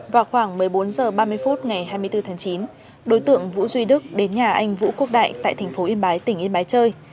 vào khoảng một mươi bốn h ba mươi phút ngày hai mươi bốn tháng chín đối tượng vũ duy đức đến nhà anh vũ quốc đại tại tp yên bái tỉnh yên bái chơi